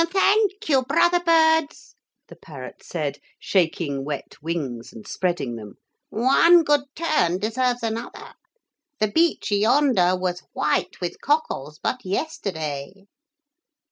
'Thank you, brother birds,' the parrot said, shaking wet wings and spreading them; 'one good turn deserves another. The beach yonder was white with cockles but yesterday.'